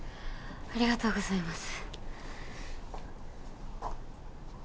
ありがとうございます。